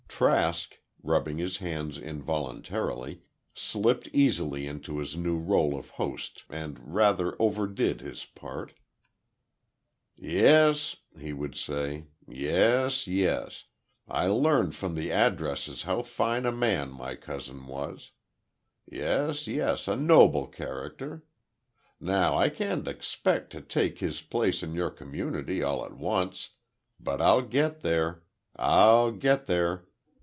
Trask, rubbing his hands involuntarily, slipped easily into his new rôle of host, and rather overdid his part. "Yes," he would say, "yes, yes. I learned from the addresses how fine a man my cousin was—yes, yes, a noble character. Now, I can't expect to take his place in your community all at once—but I'll get there! I'll get there!